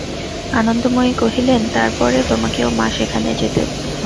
আনন্দময়ী কহিলেন, তার পরে, তোমাকেও, মা, সেখান যেতে হচ্ছে।